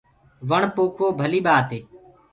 وڻ پوکوو ڀلي ٻآت هي۔